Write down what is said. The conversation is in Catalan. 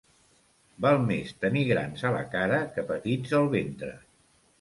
Val més tenir grans a la cara que petits al ventre.